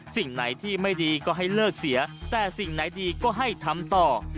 สิ่งไหนที่ไม่ดีก็ให้เลิกเสียแต่สิ่งไหนดีก็ให้ทำต่อ